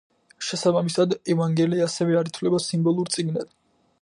შესაბამისად, ევანგელე ასევე არ ითვლება სიმბოლურ წიგნად.